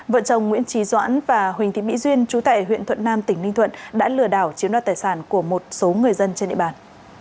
vợ chồng nguyễn trí doãn và huỳnh thị mỹ duyên chú tại huyện thuận nam tỉnh ninh thuận đã lừa đảo chiếm đoạt tài sản của một số người dân trên địa bàn